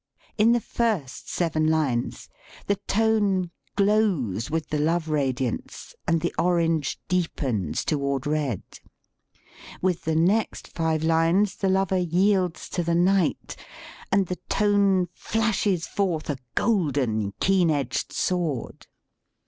In the first seven lines, the tone glows with the love radiance 72 STUDY IN TONE COLOR and the orange deepens toward red. With the next five lines the lover yields to the knight, and the tone flashes forth a golden, keen edged sword.